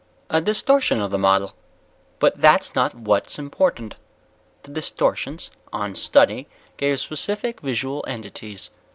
"A distortion of the model. But that's not what's important. The distortions, on study, gave specific visual entities.